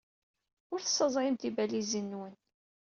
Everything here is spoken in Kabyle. Ur tessaẓayem tibalizin-nwen.